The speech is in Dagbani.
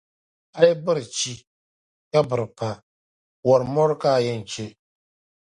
A yi biri chi, ka biri pa, wɔri mɔri ka a yɛn che.